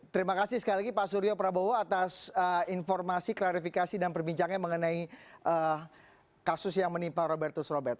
terima kasih sekali lagi pak suryo prabowo atas informasi klarifikasi dan perbincangannya mengenai kasus yang menimpa robertus robert